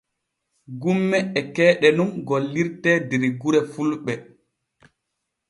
Gumme e keeɗe nun gollirte der gure fulɓe.